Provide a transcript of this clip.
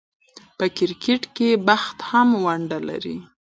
په کرکټ کښي بخت هم ونډه لري.